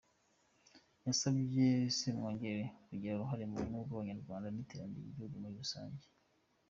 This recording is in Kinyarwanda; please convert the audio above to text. Yasabye Semwogerere kugira uruhare mu bumwe bw’Abanyarwanda n’iterambere ry’igihugu muri rusange.